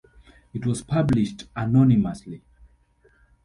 It was published anonymously.